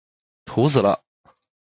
土死了！